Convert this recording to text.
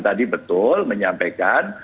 tadi betul menyampaikan